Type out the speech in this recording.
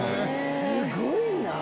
すごいな！